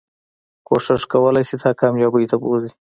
کوښښ کولی شي تا کاميابی ته بوځي